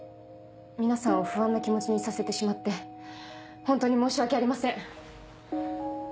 皆さんを不安な気持ちにさせてしまって本当に申し訳ありません。